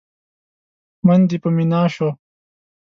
من دې په مينا شو؟!